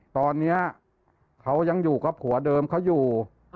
ตอนนี้เขายังอยู่กับผัวเดิมเขาอยู่